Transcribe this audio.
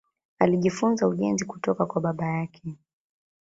Alijifunza ujenzi kutoka kwa baba yake.